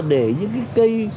để những cái cây